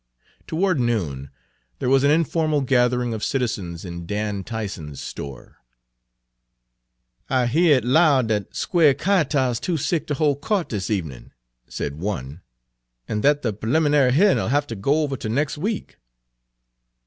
Toward noon there was an informal gathering of citizens in Dan Tyson's store. "I hear it 'lowed that Square Kyahtah's too sick ter hol' co'te this evenin'," said one, "an' that the purlim'nary hearin' 'll haf ter go over 'tel nex' week."